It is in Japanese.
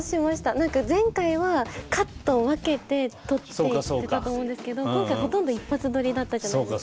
何か前回はカットを分けて撮っていってたと思うんですけど今回ほとんど一発撮りだったじゃないですか。